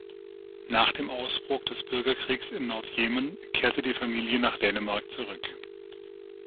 Nach dem Ausbruch des Bürgerkriegs in Nordjemen kehrte die Familie nach Dänemark zurück.